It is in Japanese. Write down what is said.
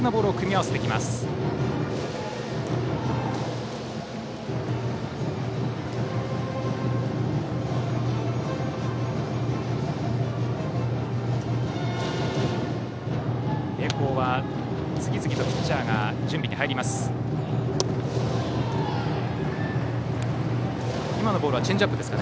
明豊は次々とピッチャーが準備に入ります。